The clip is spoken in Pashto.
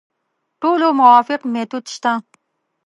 ټولو موافق میتود شته.